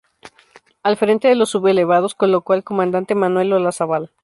Al frente de los sublevados colocó al comandante Manuel Olazábal.